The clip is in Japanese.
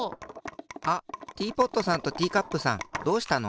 あっティーポットさんとティーカップさんどうしたの？